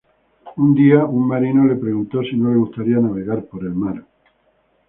Un día, un marino le preguntó si no le gustaría navegar por el mar.